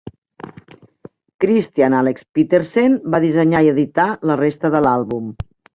Christian Alex Petersen va dissenyar i editar la resta de l'àlbum.